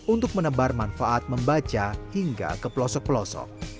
untuk menebar manfaat membaca hingga ke pelosok pelosok